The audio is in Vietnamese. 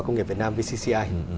công nghiệp việt nam vcci